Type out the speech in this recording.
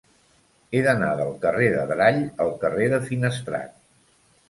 He d'anar del carrer d'Adrall al carrer de Finestrat.